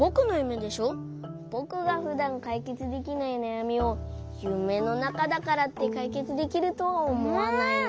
ぼくがふだんかいけつできないなやみをゆめのなかだからってかいけつできるとはおもわないな。